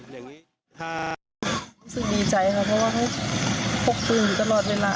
รู้สึกดีใจเพราะว่าเขาพกปุ่นอยู่ตลอดเวลา